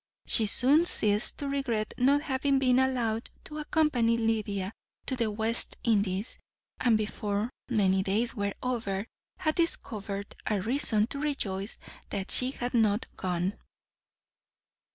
She soon ceased to regret not having been allowed to accompany Lydia to the West Indies, and before many days were over had discovered a reason to rejoice that she had not gone.